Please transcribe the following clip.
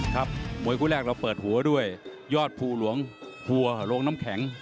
ครับมวยคู่แรกเราเปิดหัวด้วยยอดภูหลวงหัวโรงน้ำแข็ง